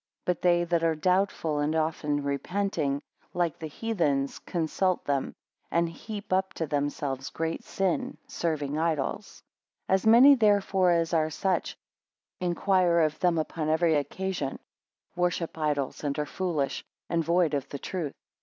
But they that are doubtful, and often repenting, like the heathens, consult them, and heap up to themselves great sin, serving idols. 8 As many therefore as are such, inquire of them upon every occasion; worship idols, and are foolish; and void of the truth.